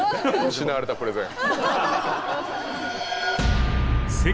失われたプレゼン。